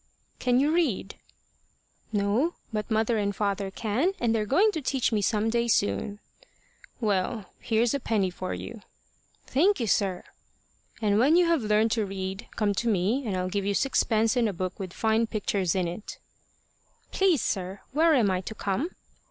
"Can you read?" "No. But mother can and father can, and they're going to teach me some day soon." "Well, here's a penny for you." "Thank you, sir." "And when you have learned to read, come to me, and I'll give you sixpence and a book with fine pictures in it." "Please, sir, where am I to come?"